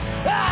あ？